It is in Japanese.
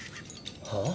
はあ？